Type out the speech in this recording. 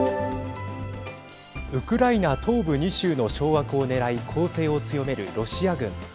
ウクライナ東部２州の掌握をねらい攻勢を強めるロシア軍。